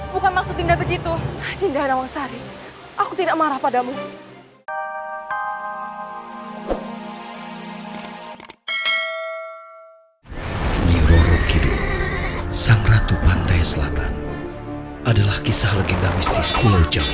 bukan maksud dinda begitu